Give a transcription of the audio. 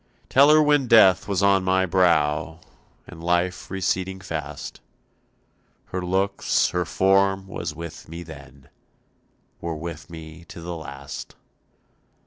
"Tell her when death was on my brow And life receding fast, Her looks, her form was with me then, Were with me to the last.